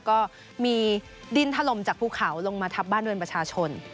ก็มีดินถล่มจากภูเขาลงมาทับบ้านเรือนประชาชน